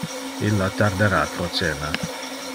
Illa tardara pro cena.